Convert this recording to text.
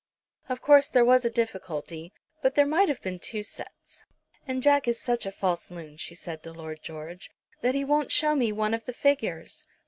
Of course there was a difficulty, but there might have been two sets. "And Jack is such a false loon," she said to Lord George, "that he won't show me one of the figures."